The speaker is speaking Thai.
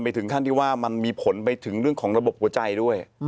ถึงขั้นที่ว่ามันมีผลไปถึงเรื่องของระบบหัวใจด้วย